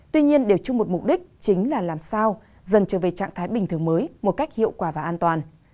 tuy nhiên để chung một mục đích chính là làm sao dần trở về trạng thái bình thường mới một cách hiệu quả và an toàn